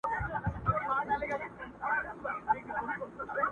جاله وان ورباندي ږغ کړل ملاجانه٫